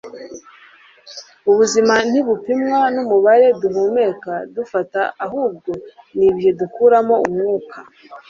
Ubuzima ntibupimwa numubare duhumeka dufata ahubwo nibihe bidukuramo umwuka